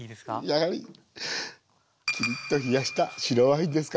やはりきりっと冷やした白ワインですかね。